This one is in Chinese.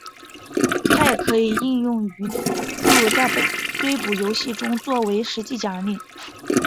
它也可以应用于诸如在追捕游戏中做为实际奖励。